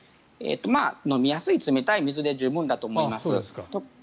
飲みやすい冷たい水で十分だと思います。